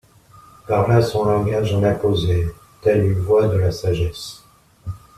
Par là son langage en imposait, telle une voix de la sagesse.